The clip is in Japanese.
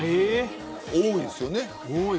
多いですよね。